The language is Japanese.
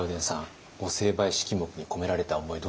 御成敗式目に込められた思い